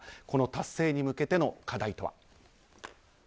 この達成に向けての課題とは。